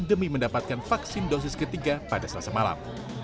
demi mendapatkan vaksin dosis ketiga pada selasa malam